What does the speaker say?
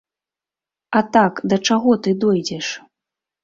А так да чаго ты дойдзеш?!